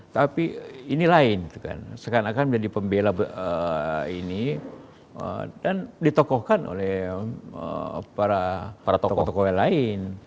tapi ini lain seakan akan menjadi pembela ini dan ditokohkan oleh para tokoh tokoh yang lain